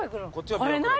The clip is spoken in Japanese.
これ何？